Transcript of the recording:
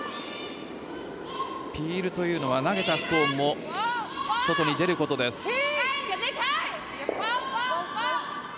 ピールというのは投げたストーンが外に出ることです。